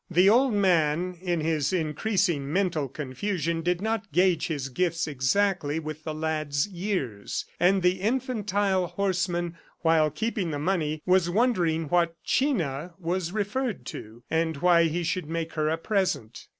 The old man, in his increasing mental confusion, did not gauge his gifts exactly with the lad's years; and the infantile horseman, while keeping the money, was wondering what china was referred to, and why he should make her a present.